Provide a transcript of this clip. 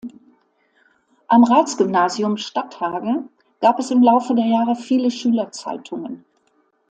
Am Ratsgymnasium Stadthagen gab es im Laufe der Jahre viele Schülerzeitungen.